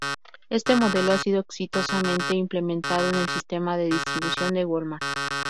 Este modelo ha sido exitosamente implementado en el sistema de distribución de Wal-Mart.